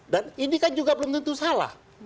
dan ini kan juga belum tentu salah